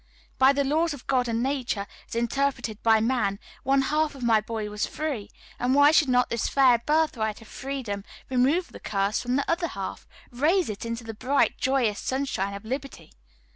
By the laws of God and nature, as interpreted by man, one half of my boy was free, and why should not this fair birthright of freedom remove the curse from the other half raise it into the bright, joyous sunshine of liberty?